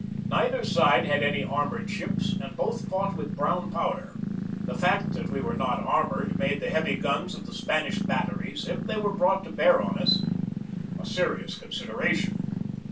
Neither side had any armored ships and both fought with brown powder. The fact that we were not armored made the heavy guns of the Spanish batteries, if they were brought to bear on us, a serious consideration.